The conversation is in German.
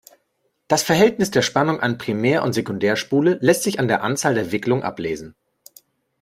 Das Verhältnis der Spannung an Primär- und Sekundärspule lässt sich an der Anzahl der Wicklungen ablesen.